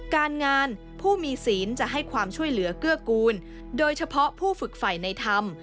การงานผู้มีศีลจะให้ความช่วยเหลือเกื้อกูลโดยเฉพาะผู้ฝึกฝ่ายในธรรม